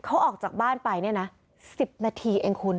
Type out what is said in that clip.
เขาออกจากบ้านไปเนี่ยนะ๑๐นาทีเองคุณ